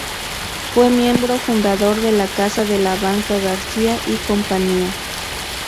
Fue miembro fundador de la Casa de la Banca García y Compañía.